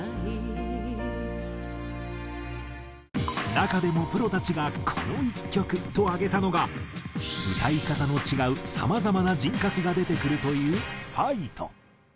中でもプロたちが「この１曲」と挙げたのが歌い方の違うさまざまな人格が出てくるという『ファイト！』。